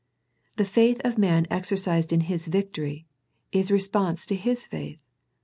The faith of man exercised in His victory, is response to His faith.